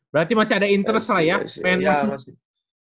berarti masih ada interest lah ya